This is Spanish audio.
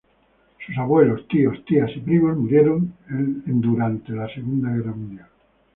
Sus abuelos, tíos, tías y primos murieron en los durante la Segunda Guerra Mundial.